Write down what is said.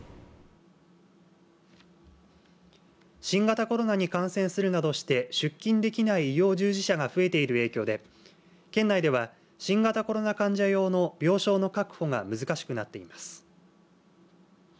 新型コロナに感染するなどして出勤できない医療従事者が増えている影響で県内では新型コロナ患者用の病床の確保が難しくなっています。